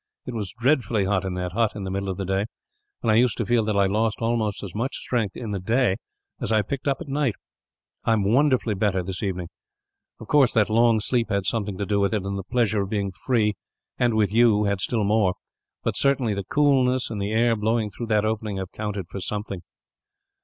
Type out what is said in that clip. "It was dreadfully hot in that hut, in the middle of the day; and I used to feel that I lost almost as much strength, in the day, as I picked up at night. I am wonderfully better this evening. Of course, that long sleep had something to do with it, and the pleasure of being free and with you had still more; but certainly the coolness, and the air blowing through that opening, have counted for something."